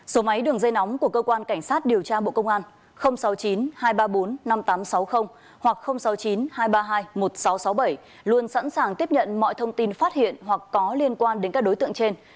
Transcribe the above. số máy đường dây nóng của cơ quan cảnh sát điều tra bộ công an sáu mươi chín hai trăm ba mươi bốn năm nghìn tám trăm sáu mươi hoặc sáu mươi chín hai trăm ba mươi hai một nghìn sáu trăm sáu mươi bảy luôn sẵn sàng tiếp nhận mọi thông tin phát hiện hoặc có liên quan đến các đối tượng trên